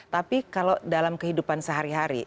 tapi kalau dalam kehidupan sehari hari